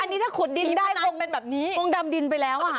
อันนี้ถ้าขดดินได้มองดำดินไปแล้วอ่ะ